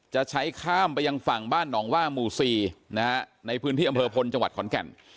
จะใช้ข้ามไปยังฝั่งบ้านหนองว่าหมู่๔นะฮะในพื้นที่อำเภอพลจังหวัดขอนแก่น